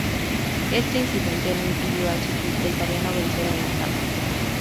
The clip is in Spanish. Este incidente no impidió al ciclista italiano vencer en la etapa.